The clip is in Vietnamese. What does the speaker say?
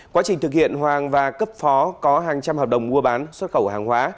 quá trình thực hiện hoàng và cấp phó có hàng trăm hợp đồng mua bán xuất khẩu hàng hóa